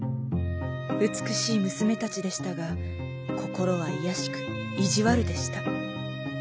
うつくしいむすめたちでしたがこころはいやしくいじわるでした。